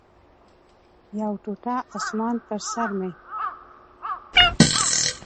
یو ټوټه اسمان پر سر مې